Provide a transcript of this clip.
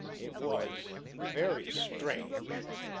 It was very strange!